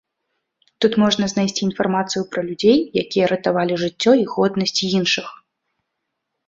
Тут можна знайсці інфармацыю пра людзей, якія ратавалі жыццё і годнасць іншых.